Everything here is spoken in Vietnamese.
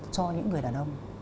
cho những người đàn ông